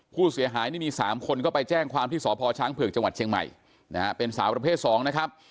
ผู้เสียหายนี่มี๓คนก็ไปแจ้งความที่สพช้างเผือกจังหวัดเชียงใหม่นะฮะเป็นสาวประเภท๒นะครับ